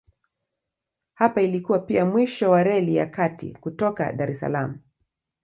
Hapa ilikuwa pia mwisho wa Reli ya Kati kutoka Dar es Salaam.